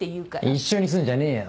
一緒にすんじゃねえよ。